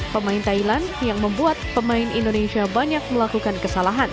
pemain thailand yang membuat pemain indonesia banyak melakukan kesalahan